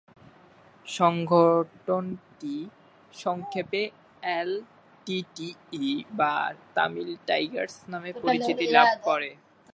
সংগঠনটি সংক্ষেপে এলটিটিই বা তামিল টাইগার্স নামে পরিচিতি লাভ করে।